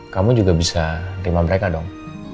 kamu juga bisa terima mereka dong